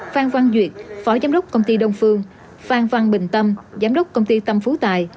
phan văn duyệt phó giám đốc công ty đông phương phan văn bình tâm giám đốc công ty tâm phú tài